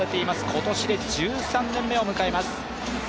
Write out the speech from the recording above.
今年で１３年目を迎えます。